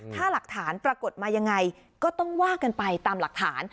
ถ้าหลักฐานปรากฏมายังไงก็ต้องว่ากันไปตามหลักฐาน